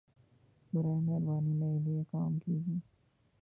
براہَ مہربانی میرے لیے یہ کام کیجیے